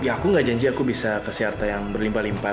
aku gak janji aku bisa kasih harta yang berlimpah limpah